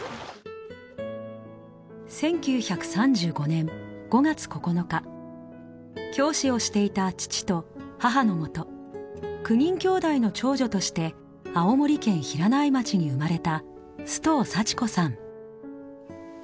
１９３５年５月９日教師をしていた父と母のもと９人きょうだいの長女として青森県平内町に生まれた須藤祥子さん。